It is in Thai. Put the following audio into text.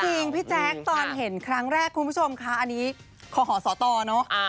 จริงพี่แจ๊คตอนเห็นครั้งแรกคุณผู้ชมค่ะอันนี้ขอหอสตเนอะ